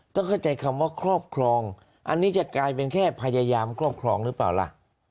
ต้องเข้าใจคำว่าครอบครองอันนี้จะกลายเป็นแค่พยายามครอบครองหรือเปล่าล่ะ